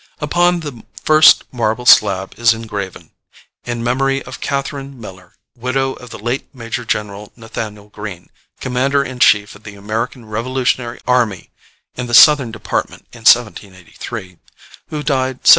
Upon the first marble slab is engraven, "In memory of Catherine Miller (widow of the late Major General Nathaniel Greene, Commander in Chief of the American Revolutionary Army in the Southern Department in 1783), who died Sept.